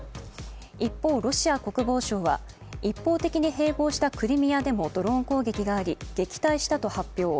一方、ロシア国防省は一方的に併合したクリミアでもドローン攻撃があり、撃退したと発表。